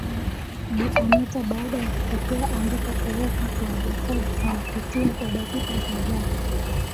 Bi Anita baada ya kupokea andiko kuoka kwa Jacob alipitia kwa dakika kadhaa